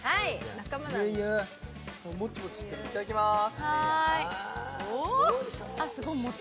いただきまーす。